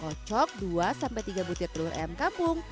kocok dua tiga butir telur ayam kampung